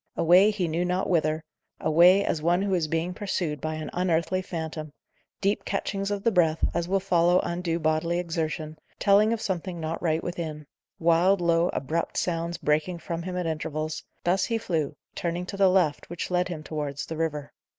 Away, he knew not whither away, as one who is being pursued by an unearthly phantom deep catchings of the breath, as will follow undue bodily exertion, telling of something not right within; wild, low, abrupt sounds breaking from him at intervals thus he flew, turning to the left, which led him towards the river.